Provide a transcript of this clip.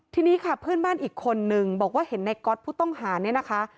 ทีนี้ค่ะเพื่อนบ้านอีกคนนึงบอกว่าเห็นในก๊อตผู้ต้องหาเนี่ยนะคะ